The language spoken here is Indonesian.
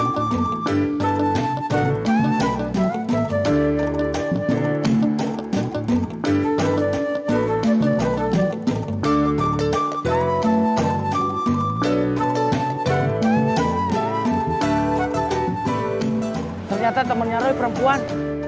ternyata temannya rui perempuan